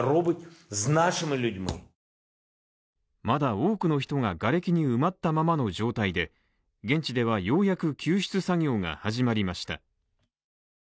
まだ多くの人ががれきに埋まったままの状態で現地ではようやく救出作業が始まりました。